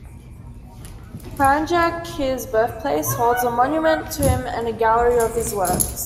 Klanjec, his birthplace, holds a monument to him and a gallery of his works.